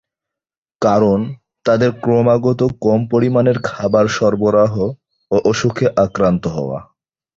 কারণ তাদের ক্রমাগত কম পরিমাণের খাবার সরবরাহ ও অসুখে আক্রান্ত হওয়া।